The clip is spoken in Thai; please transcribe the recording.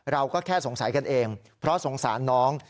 เราก็แค่สงสัยกันเองเพราะสงสารน้อง